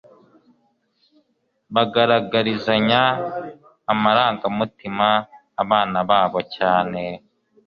bagaragarizanya amarangamutima abana babo cyane .